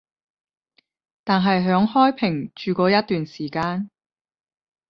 但係響開平住過一段時間